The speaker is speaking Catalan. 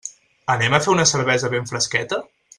Anem a fer una cervesa ben fresqueta?